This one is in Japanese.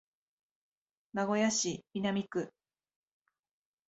名古屋市南区